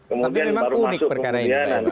kemudian baru masuk kemudian